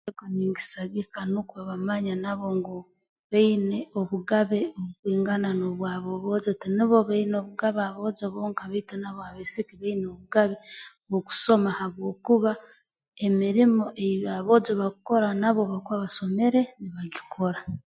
Ninkisagika nukwo bamanye nabo ngu baine obugabe bukwingana n'obwa b'obwojo tinubo baine obugabe aboojo bonka baitu nabo abaisiki baine obugabe bw'okusoma habwokuba emirimo ei a aboojo bakukora nabo obu bakuba basomere nibagikora